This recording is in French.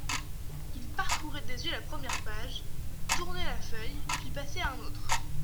Il parcourait des yeux la première page, tournait la feuille, puis passait à un autre.